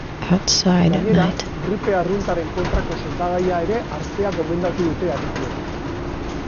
Gainera, gripe arruntaren kontrako sendagaia ere hartzea gomendatu dute adituek.